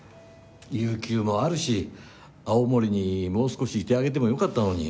有休もあるし青森にもう少しいてあげてもよかったのに。